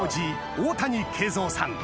大谷桂三さん